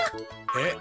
えっ？